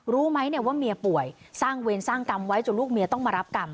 รู้ไหมเนี่ยว่าเมียป่วยสร้างเวรสร้างกรรมไว้จนลูกเมียต้องมารับกรรม